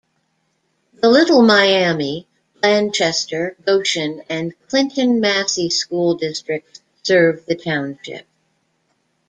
The Little Miami, Blanchester, Goshen, and Clinton Massie school districts serve the township.